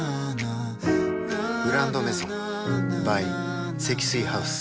「グランドメゾン」ｂｙ 積水ハウス